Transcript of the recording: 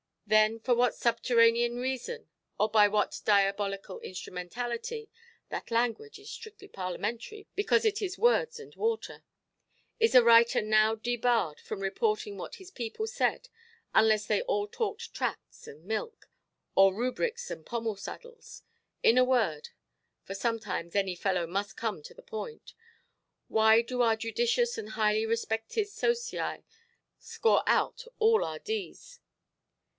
Then for what subterranean reason, or by what diabolical instrumentality (that language is strictly parliamentary, because it is words and water), is a writer now debarred from reporting what his people said, unless they all talked tracts and milk, or rubrics and pommel–saddles? In a word—for sometimes any fellow must come to the point—Why do our judicious and highly–respected Sosii score out all our d—ns?